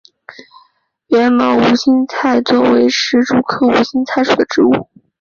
缘毛无心菜为石竹科无心菜属的植物。